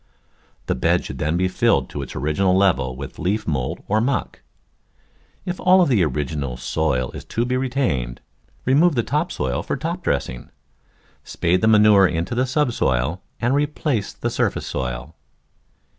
The bed should then be filled to its original level with leaf mould or muck. If all the original soil is to be retained, remove the top soil for top dressing. Spade the manure into the subsoil and replace the surface soil.